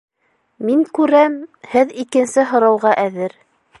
Мин күрәм, һеҙ икенсе һорауға әҙер